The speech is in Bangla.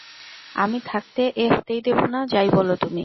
আমি থাকতে এ হতেই দেব না, যাই বল তুমি।